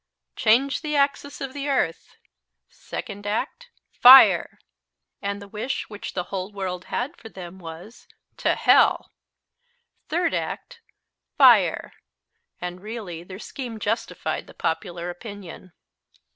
"Change the axis of the earth." Second act, "Fire." And the wish which the whole world had for them was, "To hell." Third act, "Fire." And really their scheme justified the popular opinion.